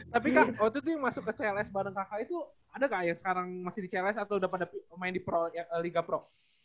tapi kan waktu itu masuk ke cls bareng kakak itu ada gak yang sekarang masih di cls atau udah pada main di liga pro